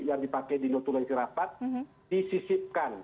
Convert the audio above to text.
yang dipakai di notul dan kira kira